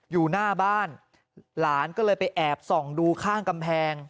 อยู่หน้าบ้านหลานก็เลยไปแอบส่องดูข้างกำแพง